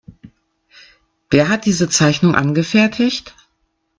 Wer hat diese Zeichnung angefertigt?